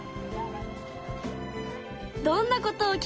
どんなことを聞きたい？